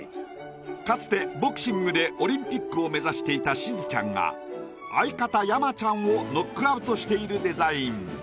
かつてボクシングでオリンピックを目指していたしずちゃんが相方山ちゃんをノックアウトしているデザイン。